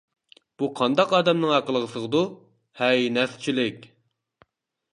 بۇ قانداق ئادەمنىڭ ئەقلىگە سىغىدۇ! ؟ ھەي نەسچىلىك!